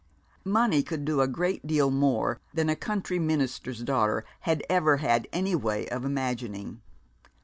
Money could do a great deal more than a country minister's daughter had ever had any way of imagining.